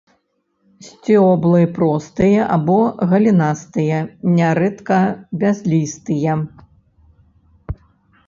Сцёблы простыя або галінастыя, нярэдка бязлістыя.